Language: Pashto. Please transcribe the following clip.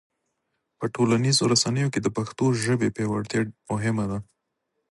په ټولنیزو رسنیو کې د پښتو ژبې پیاوړتیا مهمه ده.